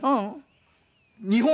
日本？